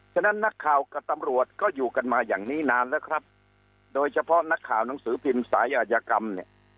ฉะนั้นนักข่าวกับตำรวจก็อยู่กันมาอย่างนี้นานแล้วครับโดยเฉพาะนักข่าวหนังสือพิมพ์สายอาจยกรรมเนี่ย